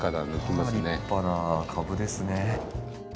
まあ立派な株ですね。